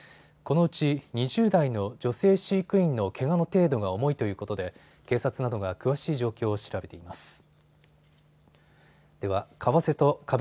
このうち２０代の女性飼育員のけがの程度が重いということで警察などが詳しい状況を調べています。